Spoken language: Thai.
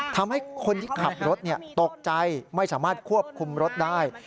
ทำให้คนที่ขับรถตกใจไม่สามารถควบคุมรถได้